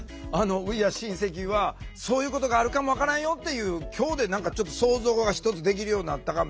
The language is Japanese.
Ｗｅａｒｅシンセキ！はそういうことがあるかも分からんよっていう今日で何かちょっと想像がひとつできるようになったかもしれませんね。